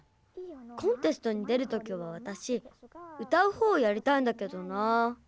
コンテストに出るときはわたし歌う方をやりたいんだけどな。